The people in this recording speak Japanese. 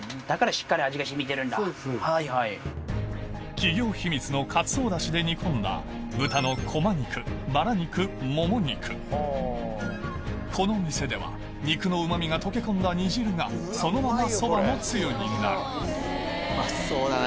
企業秘密のかつおダシで煮込んだこの店では肉のうまみが溶け込んだ煮汁がそのままそばのつゆになるうまそうだな